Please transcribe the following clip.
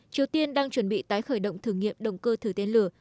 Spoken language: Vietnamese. triều tiên đang chuẩn bị tái khởi động thử nghiệm động cơ thử tên lửa